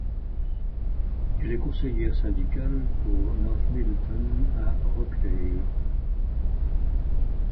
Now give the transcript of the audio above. Elle est conseillère syndicale pour North Middleton à Rochdale.